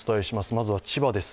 まずは千葉です。